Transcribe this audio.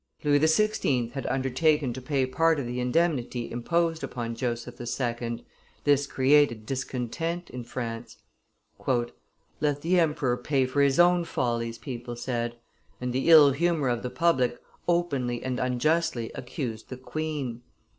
Louis XVI. had undertaken to pay part of the indemnity imposed upon Joseph II.; this created discontent in France. "Let the emperor pay for his own follies," people said; and the ill humor of the public openly and unjustly accused the queen.